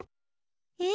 え？